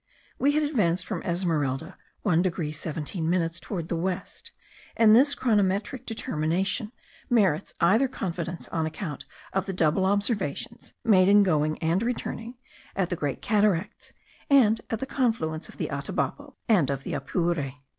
We had advanced from Esmeralda 1 degree 17 minutes toward the west, and this chronometric determination merits entire confidence on account of the double observations, made in going and returning, at the Great Cataracts, and at the confluence of the Atabapo and of the Apure.